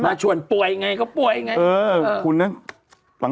มาชวนป่วยไงก็ป่วยไง